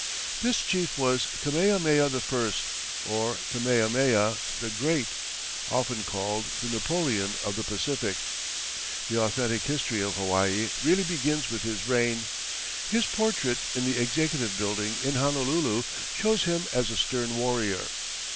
This chief was Kamehameha I, or Kamehameha the Great, often called the Napoleon of the Pacific. The authentic history of Hawaii really begins with his reign. His portrait in the Executive Building in Honolulu shows him as a stern warrior.